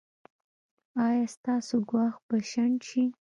ایا ستاسو ګواښ به شنډ شي؟